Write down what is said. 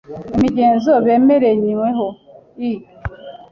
’imigenzo bemerenyweho, i